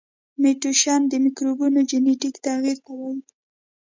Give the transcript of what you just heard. میوټیشن د مکروبونو جنیتیکي تغیر ته وایي.